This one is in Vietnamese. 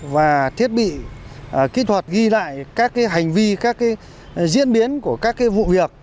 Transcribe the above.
và thiết bị kỹ thuật ghi lại các hành vi các diễn biến của các vụ việc